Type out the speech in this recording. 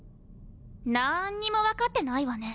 なんにも分かってないわね。